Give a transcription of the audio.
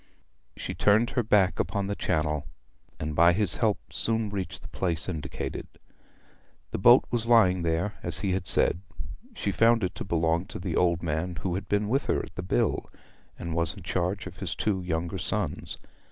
She turned her back upon the Channel, and by his help soon reached the place indicated. The boat was lying there as he had said. She found it to belong to the old man who had been with her at the Bill, and was in charge of his two younger sons.